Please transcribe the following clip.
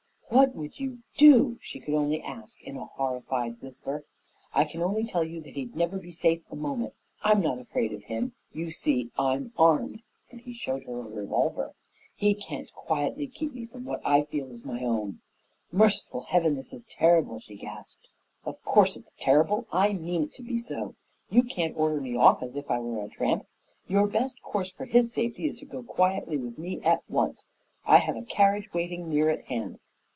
"What would you do?" she could only ask in a horrified whisper. "I can only tell you that he'd never be safe a moment. I'm not afraid of him. You see I'm armed," and he showed her a revolver. "He can't quietly keep from me what I feel is my own." "Merciful Heaven! This is terrible," she gasped. "Of course it's terrible I mean it to be so. You can't order me off as if I were a tramp. Your best course for his safety is to go quietly with me at once. I have a carriage waiting near at hand."